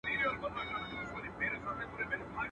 د توري پرهار به جوړ سي، د ژبي پرهار به جوړ نه سي.